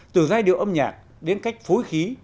từ giai điệu âm nhạc đến cách phối khí